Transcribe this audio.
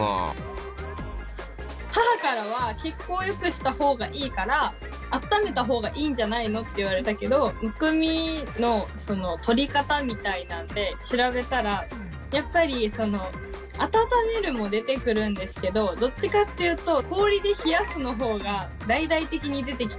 母からは「血行を良くしたほうがいいからあっためたほうがいいんじゃないの」って言われたけどむくみの取り方みたいなので調べたらやっぱり「温める」も出てくるんですけどどっちかっていうと氷で「冷やす」のほうが大々的に出てきてたんですよ。